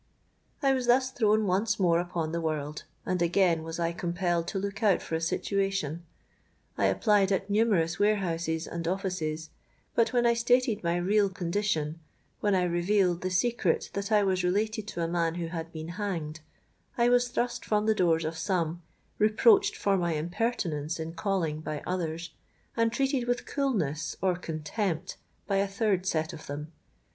"I was thus thrown once more upon the world; and again was I compelled to look out for a situation. I applied at numerous warehouses and offices; but when I stated my real condition,—when I revealed the secret that I was related to a man who had been hanged,—I was thrust from the doors of some, reproached for my impertinence in calling by others, and treated with coolness or contempt by a third set of men.